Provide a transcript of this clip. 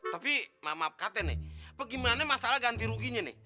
tapi maaf katen apa gimana masalah ganti ruginya nih